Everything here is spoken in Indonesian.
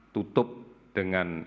tutup dengan berhenti